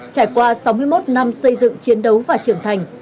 trải qua sáu mươi một năm xây dựng chiến đấu và trưởng thành